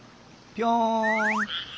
ぴょん！